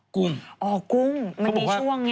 อ๋อกุ้งมันมีช่วงไง